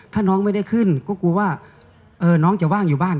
ถ้าน้องไม่ได้ขึ้นก็กลัวว่าน้องจะว่างอยู่บ้าน